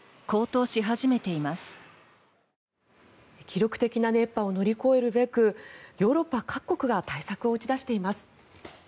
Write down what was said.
記録的な熱波を乗り越えるべくヨーロッパ各国が対策を打ち出しています。